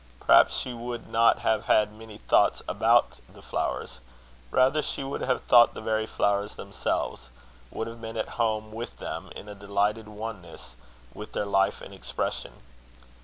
Perhaps she would not have had many thoughts about the flowers. Rather she would have thought the very flowers themselves; would have been at home with them, in a delighted oneness with their life and expression.